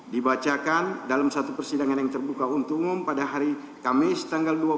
dibacakan dalam satu persidangan yang terbuka untuk umum pada hari kamis tanggal dua puluh